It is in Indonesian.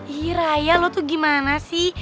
hih raya lo tuh gimana sih